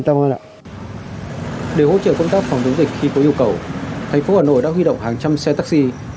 thành phố hà nội đã huy động hàng trăm xe taxi